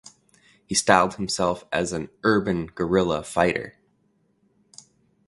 He styled himself as an "urban guerrilla fighter".